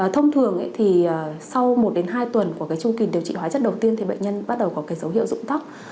thông thường thì sau một hai tuần của chung kỳ điều trị hóa chất đầu tiên thì bệnh nhân bắt đầu có dấu hiệu dụng tóc